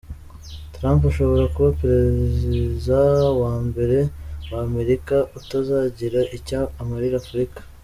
Trump ashobora kuba Pereziza wa mbere wa Amerika utazagira icyo amarira Afurika.